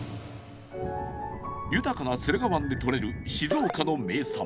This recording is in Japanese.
豊かな駿河湾でとれる静岡の名産。